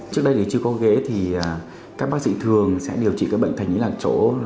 trước đây thì chưa có ghế thì các bác sĩ thường sẽ điều trị cái bệnh thạch nhĩ lạc chỗ